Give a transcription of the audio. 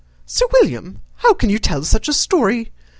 Sir William, how can you tell such a story?